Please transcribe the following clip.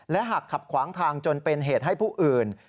และหากขับขวางทางจนเป็นเหตุให้ผู้อื่น